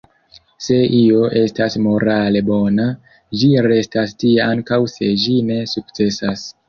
Se io estas morale bona, ĝi restas tia ankaŭ se ĝi ne sukcesas.